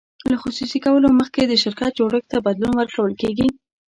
له خصوصي کولو مخکې د شرکت جوړښت ته بدلون ورکول کیږي.